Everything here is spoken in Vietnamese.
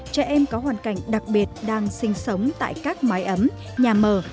trẻ em có hoàn cảnh đặc biệt đang sinh sống tại các mái ấm nhà mờ